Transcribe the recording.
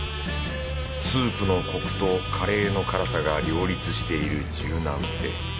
スープのコクとカレーの辛さが両立している柔軟性。